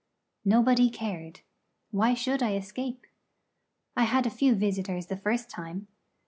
Nobody cared. Why should I escape? I had a few visitors the first time.